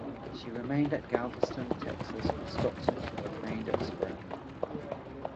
She remained at Galveston, Texas, with Stockton for the remainder of spring.